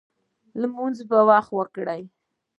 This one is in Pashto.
لمونځ په وخت وکړئ